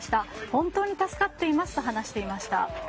本当に助かっていますと話していました。